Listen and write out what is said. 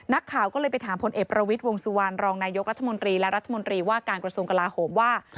นักข่าวก็เลยไปถามพลเอกประวิทย์วงสุวรรณรองนายกรัฐมนตรีและรัฐมนตรีว่าการกระทรวงกลาโหมว่า